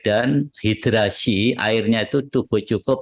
dan hidrasi airnya itu tubuh cukup